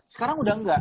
sekarang udah enggak